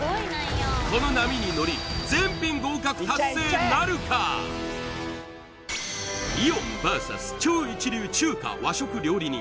この波に乗りイオンＶＳ超一流中華和食料理人